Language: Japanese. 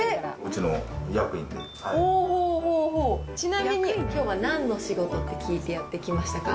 ちなみに、きょうはなんの仕事って聞いてやって来ましたか？